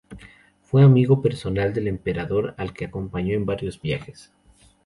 Fue amigo personal del emperador al que acompañó en varios viajes.